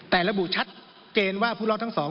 แต่ระบุชัดเจนว่าผู้รอดทั้งสอง